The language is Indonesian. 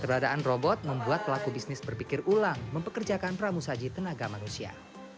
keberadaan robot membuat pelaku bisnis berpikir ulang mempekerjakan pramusaji tenaga manusia